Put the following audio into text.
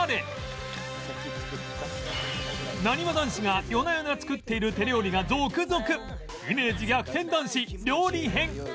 なにわ男子が夜な夜な作っている手料理が続々！